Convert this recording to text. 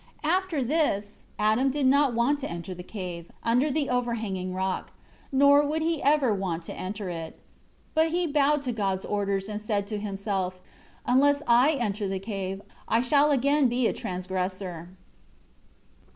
11 After this, Adam did not want to enter the cave, under the overhanging rock; nor would he ever want to enter it. 12 But he bowed to God's orders; and said to himself, "Unless I enter the cave, I shall again be a transgressor."